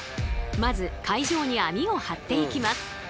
まず海上に網を張っていきます。